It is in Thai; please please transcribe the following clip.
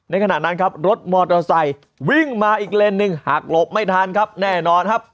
ขณะนั้นครับรถมอเตอร์ไซค์วิ่งมาอีกเลนหนึ่งหักหลบไม่ทันครับแน่นอนครับ